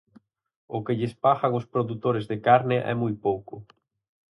O que lles pagan aos produtores de carne é moi pouco.